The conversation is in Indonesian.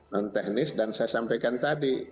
non teknis dan saya sampaikan tadi